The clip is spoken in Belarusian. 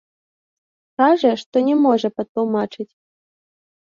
Кажа, што не можа патлумачыць.